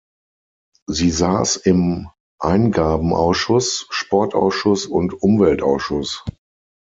Sie saß im Eingabenausschuss, Sportausschuss und Umweltausschuss.